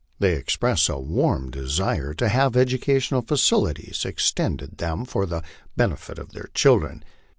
They express a warm desire to have educational facilities ex tended them for the benefit of their children.